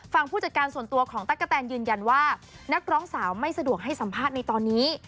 ผู้จัดการส่วนตัวของตั๊กกะแตนยืนยันว่านักร้องสาวไม่สะดวกให้สัมภาษณ์ในตอนนี้